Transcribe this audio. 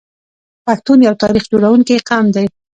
پښتون یو تاریخ جوړونکی قوم دی.